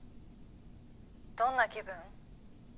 どんな気分？